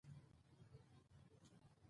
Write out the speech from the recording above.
د جبار په دې خبره کريم ډېر خپه شو.